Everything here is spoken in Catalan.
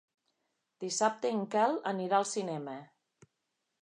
Dissabte en Quel anirà al cinema.